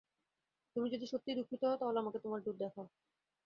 তুমি যদি সত্যিই দুঃখিত হও, তাহলে আমাকে তোমার দুধ দেখাও।